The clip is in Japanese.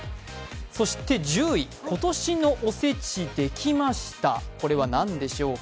そして１０位、今年のおせちできました、これは何でしょうか。